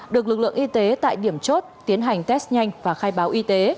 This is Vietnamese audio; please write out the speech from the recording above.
được lực lượng y tế tại điểm chốt tiến hành test nhanh và khai báo y tế